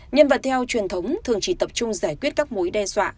nhân vật theo truyền thống thường chỉ tập trung giải quyết các mối đe dọa